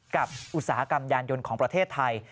อุตสาหกรรมยานยนต์ของประเทศไทย